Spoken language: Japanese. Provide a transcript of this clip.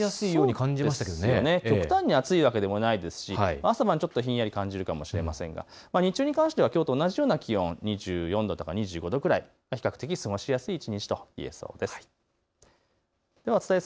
極端に暑いわけでもないですし朝晩ちょっとひんやり感じるかもしれませんが日中に関してはきょうと同じような気温、２４度とか２５度くらい、比較的過ごしやすい一日といえそうです。